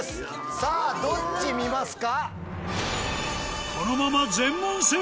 さぁどっち見ますか？